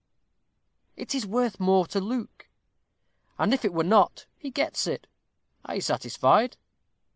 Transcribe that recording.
"It is worth more to Luke; and if it were not, he gets it. Are you satisfied?"